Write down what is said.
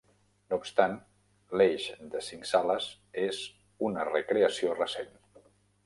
No obstant, l'eix de cinc sales és una recreació recent.